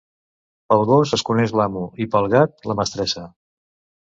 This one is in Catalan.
Pel gos es coneix l'amo, i pel gat, la mestressa.